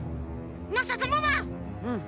まさともマン！